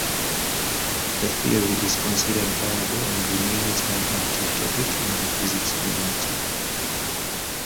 The theory is considered viable and remains an active topic in the physics community.